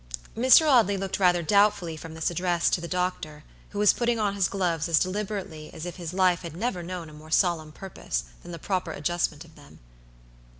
Mr. Audley looked rather doubtfully from this address to the doctor, who was putting on his gloves as deliberately as if his life had never known a more solemn purpose than the proper adjustment of them.